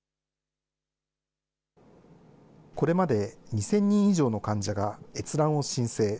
これまで２０００人以上の患者が閲覧を申請。